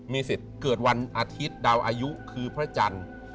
มีสิทธิ์เกิดวันอาทิตย์ดาวอายุคือพระจันทร์